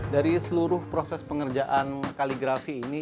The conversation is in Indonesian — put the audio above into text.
dari seluruh proses pengerjaan kaligrafi ini